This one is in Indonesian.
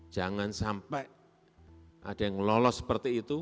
jangan sampai ada yang lolos seperti itu